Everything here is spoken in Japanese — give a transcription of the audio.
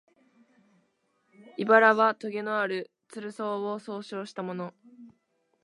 「茨」はとげのある、つる草を総称したもの